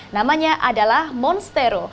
namanya adalah monstero